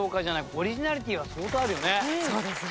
オリジナリティーは相当あるよね。